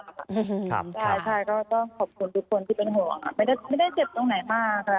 ใช่ก็ต้องขอบคุณทุกคนที่เป็นห่วงไม่ได้เจ็บตรงไหนมากค่ะ